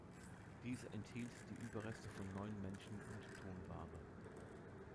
Diese enthielt die Überreste von neun Menschen und Tonware.